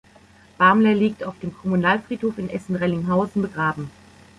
Bamler liegt auf dem Kommunalfriedhof in Essen-Rellinghausen begraben.